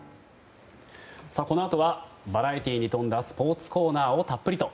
このあとはバラエティに富んだスポーツコーナーをたっぷりと。